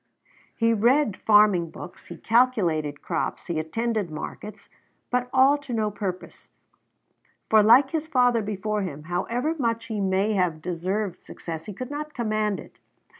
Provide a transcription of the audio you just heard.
He read farming books, he calculated crops, he attended markets, but all to no purpose; for like his father before him, however much he may have deserved success, he could not command it.